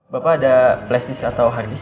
bapak ada flash disk atau hard disk